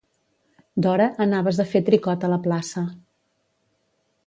D'hora, anaves a fer tricot a la plaça.